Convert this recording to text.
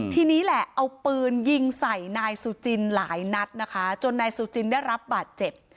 ทีนี้แหละเอาปืนยิงใส่นายสุจินหลายนัดนะคะจนนายสุจินได้รับบาดเจ็บ